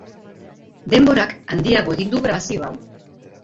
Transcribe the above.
Denborak handiago egin du grabazio hau.